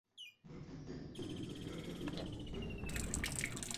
বাড়ি ফিরিতেই দেউড়ির কাছটায় আসিয়া শুনিল উপরের বৈঠকখানায় কলের গান হইতেছে।